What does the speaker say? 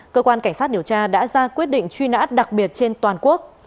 cơ quan cảnh sát điều tra đã ra quyết định truy nã đặc biệt trên toàn quốc